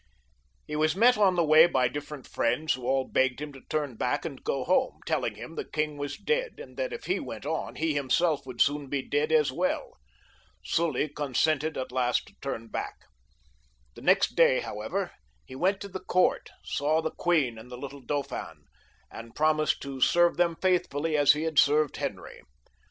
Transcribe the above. He was met on the way by different friends, who all begged him to turn back and go home, telling him the king was dead, and that if he went on, he himself would soon be dead as well. Sully consented at last to turn back. The next day, how ever, he went to the court, saw the queen and the little Dauphin, and promised to serve them faithfully as he had served Henry.